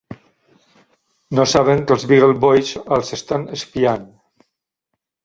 No saben que els Beagle Boys els estan espiant.